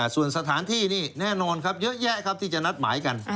ส่วนสถานที่นี่แน่นอนครับเยอะแยะครับที่จะนัดหมายกัน